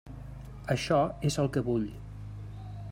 Això és el que vull.